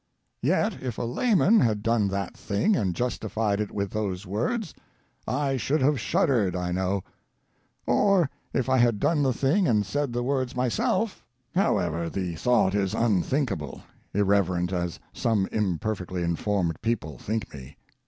Yet, if a layman had done that thing and justified it with those words, I should have shud dered, I know. Or, if I had done the thing and said the words myself — however, the thought is unthinkable, irreverent as some imperfectly informed people think me.